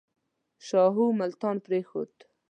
شاهو ملتان پرېښود.